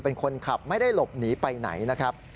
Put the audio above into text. เป็นคนขับไม่ได้หลบหนีไปไหนนะครับ